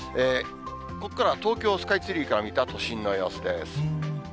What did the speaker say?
ここからは東京スカイツリーから見た都心の様子です。